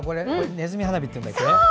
ねずみ花火っていうんだっけ。